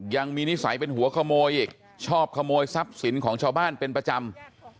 นิสัยเป็นหัวขโมยอีกชอบขโมยทรัพย์สินของชาวบ้านเป็นประจำ